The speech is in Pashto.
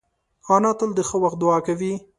انا تل د ښه وخت دعا کوي